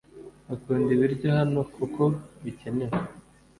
Ukunda ibiryo hano kuko bikenewe